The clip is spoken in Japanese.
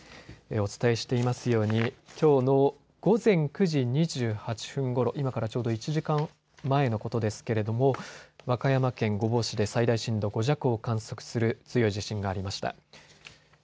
お伝えしていますようにきょうの今からちょうど１時間前のことですけれども和歌山県御坊市で最大震度５弱を観測する強い地震がありました。